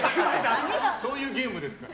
そういうゲームですから。